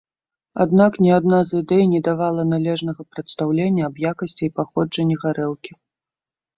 Аднак ні адна з ідэй не давала належнага прадстаўлення аб якасці і паходжанні гарэлкі.